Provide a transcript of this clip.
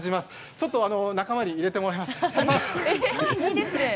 ちょっと仲間に入れてもらいます。